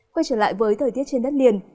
quay trở lại với thời tiết trên đất liền